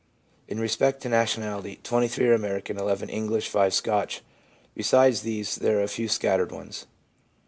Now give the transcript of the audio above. In respect to nationality, 23 are American, 11 English, 5 Scotch; besides these there a few scattered ones.